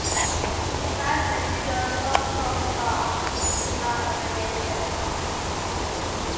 Salvaged guns saw post-war use by other nations.